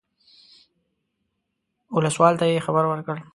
اوسلوال ته یې خبر ورکړ.